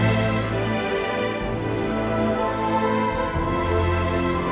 saya biasanya akan bertab